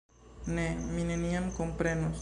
Ne, mi neniam komprenos.